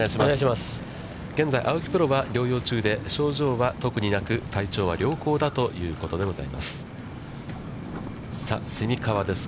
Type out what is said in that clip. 現在、青木プロは療養中で、症状は特になく、体調は良好だということでございます。